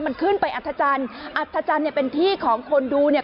มันขึ้นไปอัธจันทร์อัธจันทร์เนี่ยเป็นที่ของคนดูเนี่ย